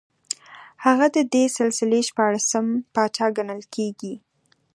هغه د دې سلسلې شپاړسم پاچا ګڼل کېږي